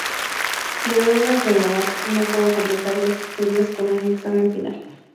Debido a una enfermedad no pudo completar los estudios con un examen final.